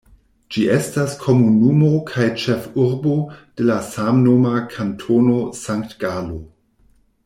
Ĝi estas komunumo kaj ĉefurbo de la samnoma Kantono Sankt-Galo.